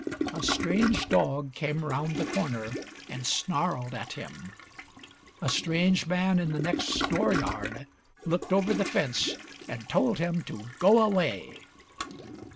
A strange dog came round the corner and snarled at him. A strange man in the next dooryard looked over the fence and told him to go away.